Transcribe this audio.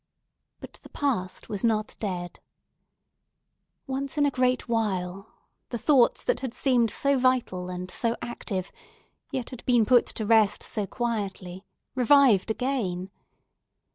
But the past was not dead. Once in a great while, the thoughts that had seemed so vital and so active, yet had been put to rest so quietly, revived again.